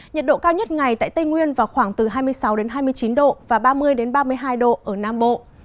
nhiệt độ cao nhất ngày tại tây nguyên vào khoảng từ hai mươi sáu hai mươi chín độ và ba mươi ba mươi hai độ ở nam bộ